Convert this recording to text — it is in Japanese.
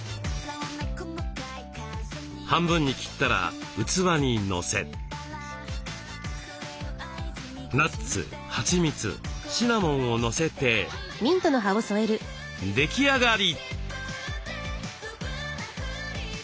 半分に切ったら器にのせナッツはちみつシナモンをのせて出来上がり。